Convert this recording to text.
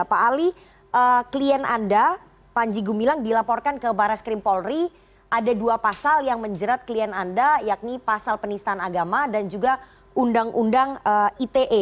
pak ali klien anda panji gumilang dilaporkan ke baris krim polri ada dua pasal yang menjerat klien anda yakni pasal penistaan agama dan juga undang undang ite